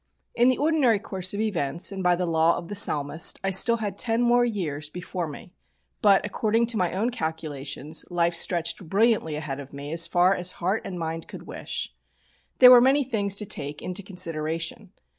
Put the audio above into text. In the ordinary course of events, and by the law of the Psalmist, I still had ten more years before me; but, according to my own calculations, life stretched brilliantly ahead of me as far as heart and mind could wish. There were many things to take into consideration.